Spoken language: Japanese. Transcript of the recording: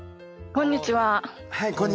こんにちは。